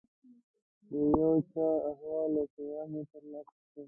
د یو چا احوال او پیغام یې ترلاسه کړ.